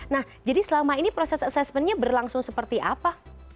nah jadi selama ini proses asesmennya berlangsung seperti apa